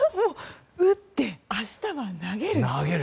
打って、明日は投げる。